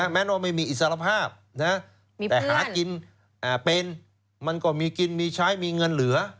แม้ว่าไม่มีอิสรภาพแต่หากินเป็นมันก็มีกินมีใช้มีเงินเหลือ